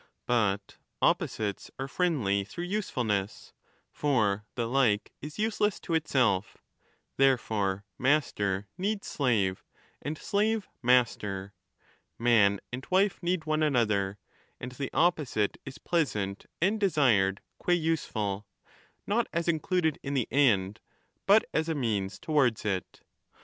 ^ But opposites are friendly through usefulness ; for the like is useless to itself; therefore master needs slave, and slave master ; man and wife need one another, and the 25 opposite is pleasant and desired qua useful, not as included in the end but as a means towards it.